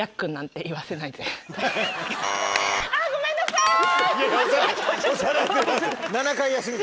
あぁごめんなさい。